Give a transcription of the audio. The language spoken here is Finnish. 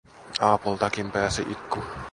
Aapoltakin pääsi itku.